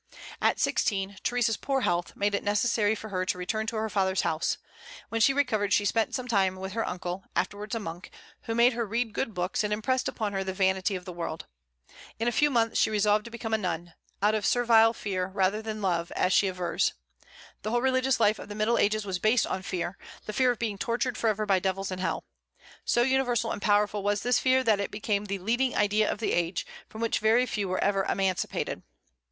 At sixteen, Theresa's poor health made it necessary for her to return to her father's house. When she recovered she spent some time with her uncle, afterwards a monk, who made her read good books, and impressed upon her the vanity of the world. In a few months she resolved to become a nun, out of servile fear rather than love, as she avers. The whole religious life of the Middle Ages was based on fear, the fear of being tortured forever by devils and hell. So universal and powerful was this fear that it became the leading idea of the age, from which very few were ever emancipated.